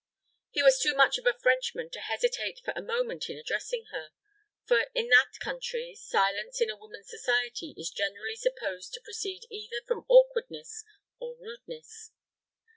He was too much of a Frenchman to hesitate for a moment in addressing her; for, in that country, silence in a woman's society is generally supposed to proceed either from awkwardness or rudeness.